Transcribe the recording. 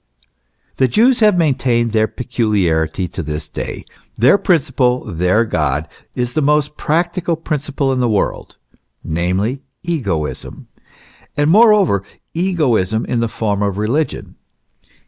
The Jews have maintained their peculiarity to this day. Their principle, their God, is the most practical principle in the world, namely, egoism : and moreover egoism in the form of religion.